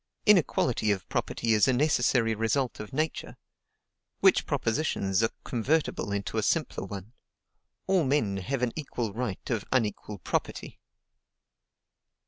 Inequality of property is a necessary result of Nature, which propositions are convertible into a simpler one: All men have an equal right of unequal property.